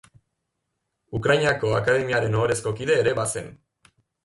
Ukrainako Akademiaren ohorezko kide ere bazen.